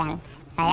islamnya seperti apa